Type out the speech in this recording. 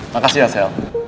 makasih ya sel